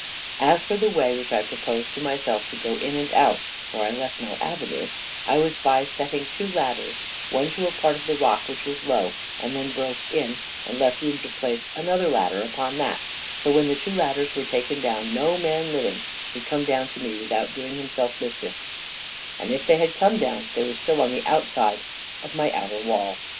As for the way which I proposed to myself to go in and out (for I left no avenue), it was by setting two ladders, one to a part of the rock which was low, and then broke in, and left room to place another ladder upon that; so when the two ladders were taken down no man living could come down to me without doing himself mischief; and if they had come down, they were still on the outside of my outer wall.